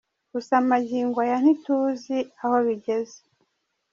Gusa mangingo aya ntituzi aho bigeze.